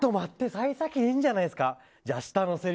幸先ええんじゃないですか？